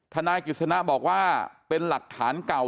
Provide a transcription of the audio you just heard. นายกิจสนะบอกว่าเป็นหลักฐานเก่า